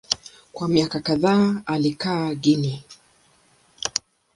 Kwa miaka kadhaa alikaa Guinea.